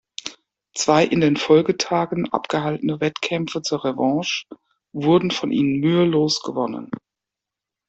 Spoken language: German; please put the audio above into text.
Zwei in den Folgetagen abgehaltene Wettkämpfe zur Revanche wurden von ihnen mühelos gewonnen.